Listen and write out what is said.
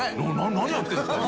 「何やってるんですか？」